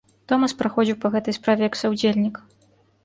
Томас праходзіў па гэтай справе як саўдзельнік.